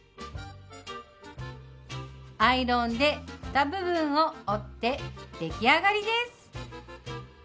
アイロンでふた部分を折って出来上がりです！